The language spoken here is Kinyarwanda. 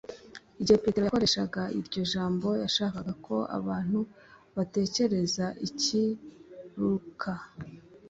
Igihe petero yakoreshaga iryo jambo yashakaga ko abantu batekereza iki luka